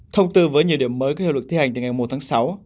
thông tư với nhiều điểm mới có hiệu lực thi hành từ ngày một tháng sáu